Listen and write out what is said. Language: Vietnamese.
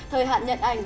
thời hạn nhận ảnh